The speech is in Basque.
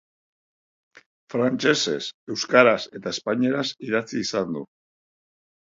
Frantsesez, euskaraz eta espainieraz idatzi izan du.